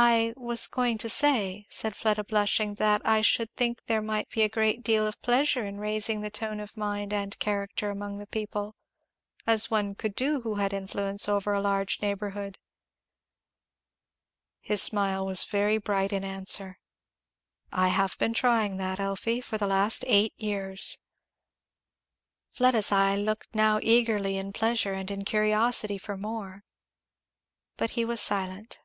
"I was going to say," said Fleda blushing, "that I should think there might be a great deal of pleasure in raising the tone of mind and character among the people, as one could who had influence over a large neighbourhood." His smile was very bright in answer. "I have been trying that, Elfie, for the last eight years." Fleda's eye looked now eagerly in pleasure and in curiosity for more. But he was silent.